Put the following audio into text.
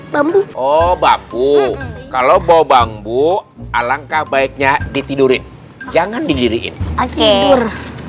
bambu oh bapu kalau bawa bambu alangkah baiknya ditidurin jangan didiriin akhir